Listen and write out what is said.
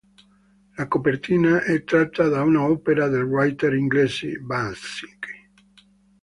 La copertina è tratta da un'opera del writer inglese Banksy.